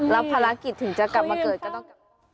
ภารกิจถึงจะกลับมาเกิดก็ต้องกลับ